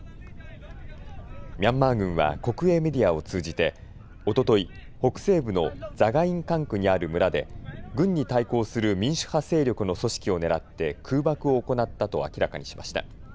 ミャンマー軍は国営メディアを通じておととい、北西部のザガイン管区にある村で軍に対抗する民主派勢力の組織を狙って空爆を行ったと明らかにしました。